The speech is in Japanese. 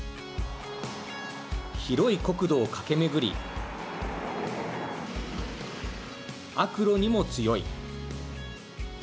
広い国土を駆け巡り悪路にも強い。